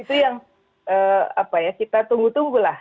itu yang apa ya kita tunggu tunggulah